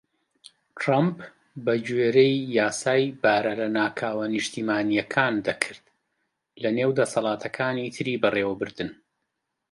ترەمپ بە گوێرەی یاسای بارە لەناکاوە نیشتیمانیەکان دەکرد، لە نێو دەسەڵاتەکانی تری بەڕێوەبردن.